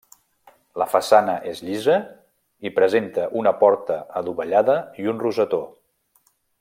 La façana és llisa i presenta una porta adovellada i un rosetó.